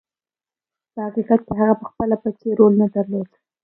په حقیقت کې هغه پخپله پکې رول نه درلود.